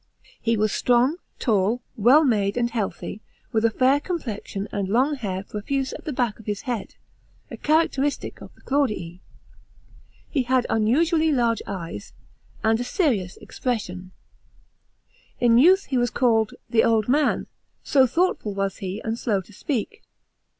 He was strong, tall, well made, and healthy, with a fair complexion, and long hair profuse at the back of his head — a characteristic of the Claudii. HH h id unusually large eyes, and a serious expr ssion. In his youth he was called " the old man," so thoughtful was he and slow to speak.